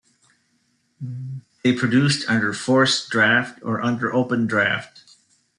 They produced under forced draught, or under open draught.